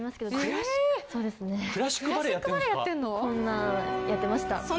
こんなやってました。